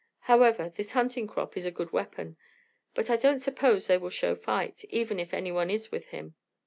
However, this hunting crop is a good weapon; but I don't suppose they will show fight, even if anyone is with him.